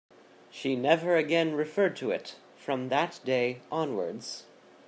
She never again referred to it, from that day onwards.